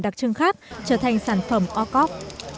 đặc trưng khác trở thành sản phẩm o cop